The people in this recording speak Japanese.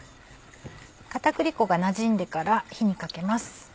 片栗粉がなじんでから火にかけます。